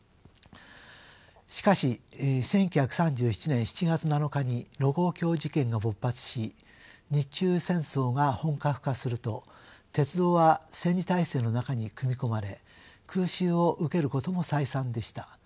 しかし１９３７年７月７日に盧溝橋事件が勃発し日中戦争が本格化すると鉄道は戦時体制の中に組み込まれ空襲を受けることも再三でした。